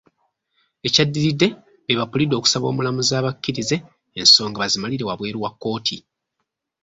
Ekyaddiridde be bapuliida okusaba omulamuzi abakkirize ensonga bazimalire wabweru wa kkooti.